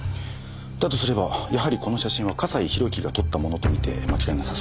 だとすればやはりこの写真は笠井宏樹が撮ったものと見て間違いなさそうですね。